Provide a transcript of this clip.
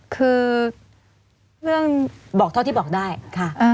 คือเรื่องบอกเท่าที่บอกได้ค่ะ